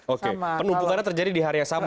oke penumpukannya terjadi di hari yang sama